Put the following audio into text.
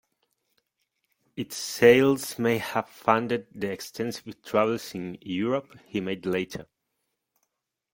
Its sales may have funded the extensive travels in Europe he made later.